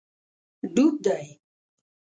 ډوب دی